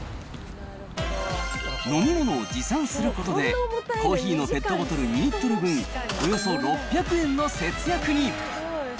飲み物を持参することで、コーヒーのペットボトル２リットル分およそ６００円の節約に。